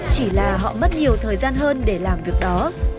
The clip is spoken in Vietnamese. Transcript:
chỉ là họ mất nhiều thời gian hơn để làm việc đó